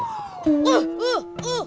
uh uh uh uh uh